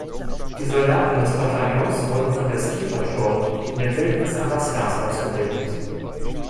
Die Soldaten des Bataillons wurden von der Ski Patrol in der Wildnis Alaskas ausgebildet.